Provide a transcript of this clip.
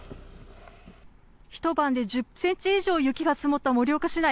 ひと晩で１０ｃｍ以上雪が積もった盛岡市内。